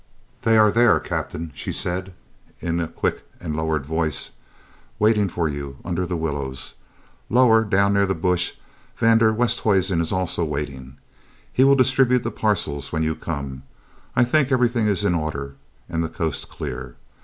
"They are there, Captain," she said in a quick and lowered voice, "waiting for you under the willows. Lower down near the bush van der Westhuizen is also waiting. He will distribute the parcels when you come. I think everything is in order and the coast clear.